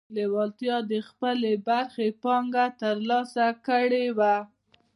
لېوالتیا د خپلې برخې پانګه ترلاسه کړې وه.